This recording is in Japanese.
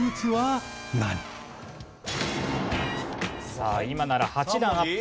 さあ今なら８段アップ。